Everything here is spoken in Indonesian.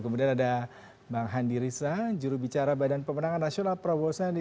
kemudian ada bang handi riza jurubicara badan pemenangan nasional prabowo sandi